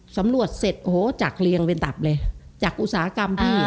สำรวจเสร็จโอ้โหจากเรียงเป็นตับเลยจากอุตสาหกรรมพี่